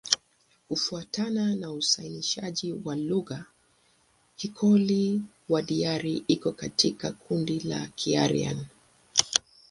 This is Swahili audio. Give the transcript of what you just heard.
Kufuatana na uainishaji wa lugha, Kikoli-Wadiyara iko katika kundi la Kiaryan.